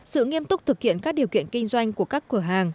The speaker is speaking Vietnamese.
sự nghiêm túc thực hiện các điều kiện kinh doanh của các cửa hàng